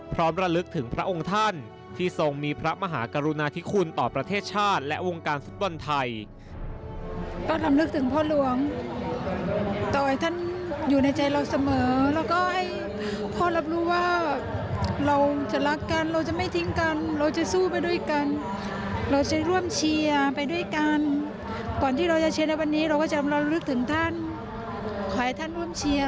ระลึกถึงพระองค์ท่านที่ทรงมีพระมหากรุณาธิคุณต่อประเทศชาติและวงการฟุตบอลไทย